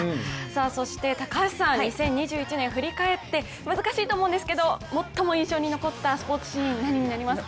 そして高橋さん、２０２１年を振り返って難しいと思うんですけど最も印象に残ったスポーツシーン何になりますか？